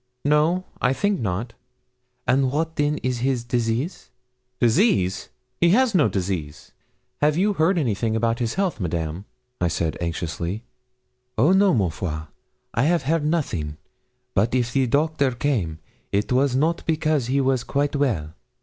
'No I think not.' 'And what then is his disease?' 'Disease! he has no disease. Have you heard anything about his health, Madame?' I said, anxiously. 'Oh no, ma foi I have heard nothing; but if the doctor came, it was not because he was quite well.'